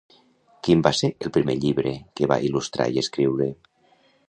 Quin va ser el primer llibre que va il·lustrar i escriure?